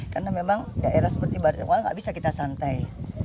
karena memang daerah seperti baratengkawala tidak bisa kita santai